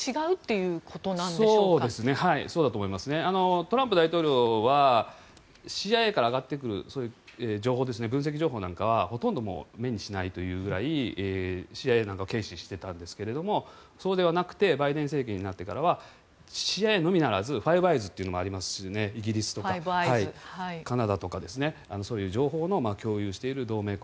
トランプ大統領はＣＩＡから上がってくる情報分析情報なんかはほとんど目にしないというぐらいＣＩＡを軽視していたんですがそうではなくてバイデン政権になってからはＣＩＡのみならずファイブ・アイズというのもありますしイギリスとかカナダとかそういう情報を共有している同盟国